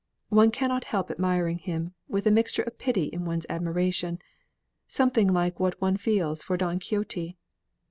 One cannot help admiring him, with a mixture of pity in one's admiration, something like what one feels for Don Quixote.